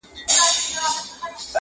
بس کارونه وه د خدای حاکم د ښار سو,